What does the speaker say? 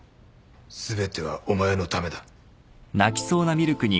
全てはお前のためだ。